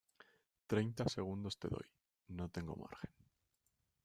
treinta segundos te doy. no tengo margen .